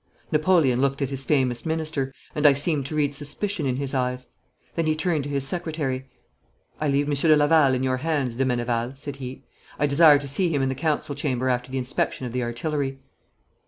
Napoleon looked at his famous minister, and I seemed to read suspicion in his eyes. Then he turned to his secretary. 'I leave Monsieur de Laval in your hands, de Meneval,' said he. 'I desire to see him in the council chamber after the inspection of the artillery.'